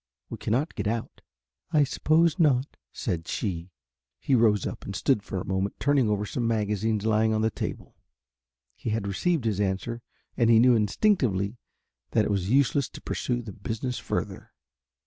We cannot get out." "I suppose not," said she. He rose up and stood for a moment turning over some magazines lying on the table. He had received his answer and he knew instinctively that it was useless to pursue the business further.